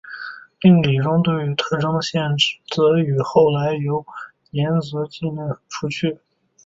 定理中对于特征的限制则与后来由岩泽健吉和除去。